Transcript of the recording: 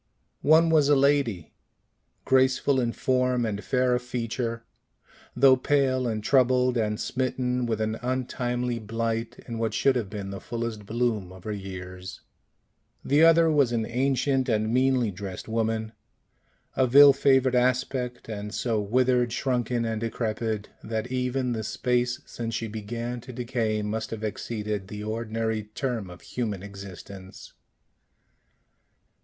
One was a lady, graceful in form and fair of feature, though pale and troubled, and smitten with an untimely blight in what should have been the fullest bloom of her years; the other was an ancient and meanly dressed woman, of ill favored aspect, and so withered, shrunken, and decrepit, that even the space since she began to decay must have exceeded the ordinary term of human existence.